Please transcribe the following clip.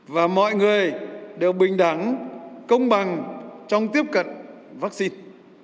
và mọi người đều bình đẳng công bằng trong tiếp cận vaccine